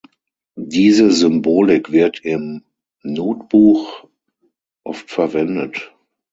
Diese Symbolik wird im Nutbuch oft verwendet.